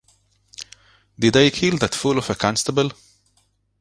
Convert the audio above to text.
Did I kill that fool of a constable?